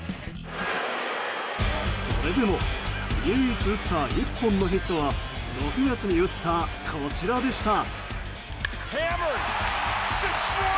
それでも、唯一打った１本のヒットは６月に打った、こちらでした。